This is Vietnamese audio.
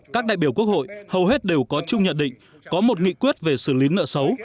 các đại biểu quốc hội hầu hết đều có chung nhận định có một nghị quyết về xử lý nợ xấu